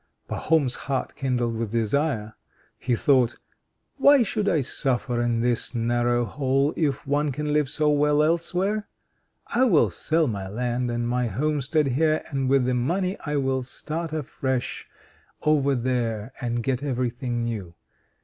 Pahom's heart kindled with desire. He thought: "Why should I suffer in this narrow hole, if one can live so well elsewhere? I will sell my land and my homestead here, and with the money I will start afresh over there and get everything new.